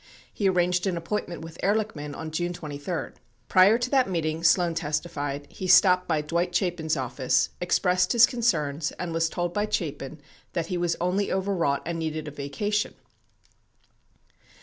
He arranged an appointment with Ehrlichman on June 23. Prior to that meeting, Sloan testified, he stopped by Dwight Chapin's office, expressed his concerns, and was told by Chapin that he was only overwrought and needed a vacation.